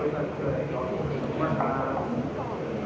สวัสดีครับ